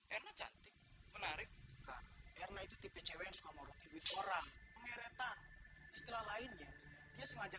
enak cantik menarik karena itu tipe cewek suka moroti orang meretak istilah lainnya dia sengaja